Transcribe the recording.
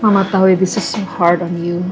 mama tau ya bisnisnya susah buat kamu